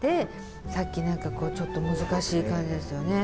さっき何かこうちょっと難しい感じでしたよね。